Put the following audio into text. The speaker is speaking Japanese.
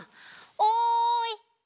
おい！